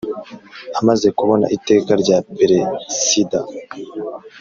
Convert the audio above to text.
Amaze kubona iteka rya peresida